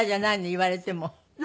言われても。